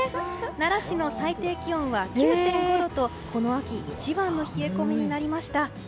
奈良市の最低気温は９．５度とこの秋一番の冷え込みになりました。